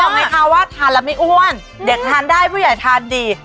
ไหมคะว่าทานแล้วไม่อ้วนเด็กทานได้ผู้ใหญ่ทานดี